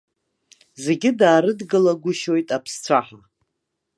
Зегьы даарыдгылагәышьоит аԥсцәаҳа.